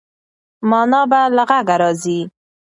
مانا به له غږه راځي.